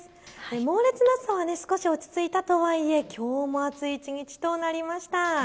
猛烈な暑さは少し落ち着いたとはいえきょうも暑い一日となりました。